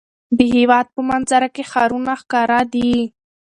د هېواد په منظره کې ښارونه ښکاره دي.